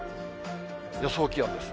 予想気温です。